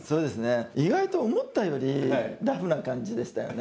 意外と思ったよりラフな感じでしたよね。